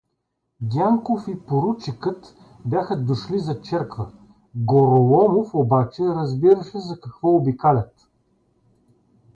Дянков и поручикът бяха дошли за черква (Гороломов обаче разбираше за какво обикалят).